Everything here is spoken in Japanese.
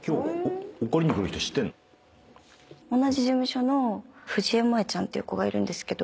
同じ事務所の藤江萌ちゃんっていう子がいるんですけど。